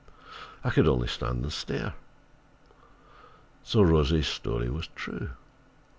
I could only stand and stare. Then Rosie's story was true.